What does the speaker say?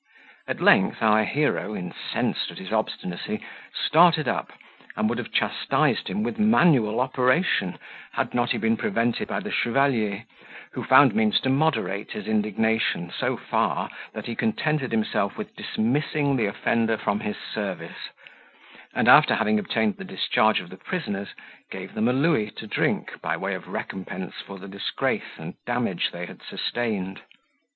At length, our hero, incensed at his obstinacy, started up, and would have chastised him with manual operation, had not he been prevented by the chevalier, who found means to moderate his indignation so far that he contented himself with dismissing the offender from his service; and after having obtained the discharge of the prisoners, gave them a louis to drink, by way of recompense for the disgrace and damage they had sustained.